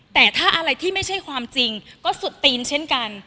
แต่ถ้าอะไรที่ไม่ใช่ความจริงก็สุดตีนเช่นกัน